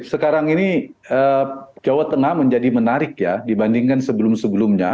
sekarang ini jawa tengah menjadi menarik ya dibandingkan sebelum sebelumnya